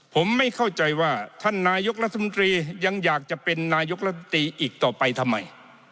ผมไม่เข้าใจว่าท่านนายกรัฐมนตรียังอยากจะเป็นนายกรัฐมนตรีอีกต่อไปทำไม